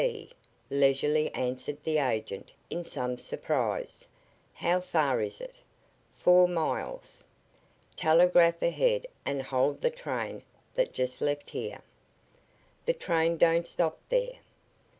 "P ," leisurely answered the agent, in some surprise. "How far is it?" "Four miles." "Telegraph ahead and hold the train that just left here." "The train don't stop there."